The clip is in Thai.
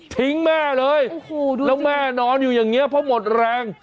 แม่เลยแล้วแม่นอนอยู่อย่างนี้เพราะหมดแรง